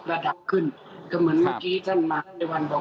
ระดับขึ้นก็เหมือนเมื่อกี้ท่านมากในวันบอก